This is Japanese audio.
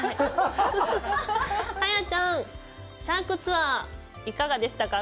カヤちゃん、シャークツアー、いかがでしたか？